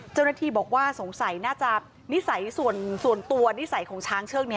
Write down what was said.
เจ้าหน้าที่บอกว่าสงสัยน่าจะนิสัยส่วนตัวนิสัยของช้างเชือกนี้